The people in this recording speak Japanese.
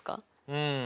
うん。